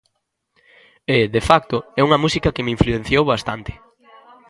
E, de facto, é unha música que me influenciou bastante.